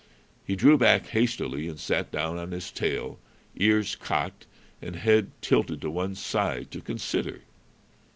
He drew back hastily and sat down on his tail, ears cocked and head tilted to one side, to consider.